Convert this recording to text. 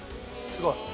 すごい。